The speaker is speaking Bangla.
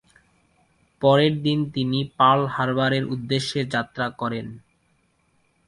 পরের দিন তিনি পার্ল হারবারের উদ্দেশ্যে যাত্রা করেন।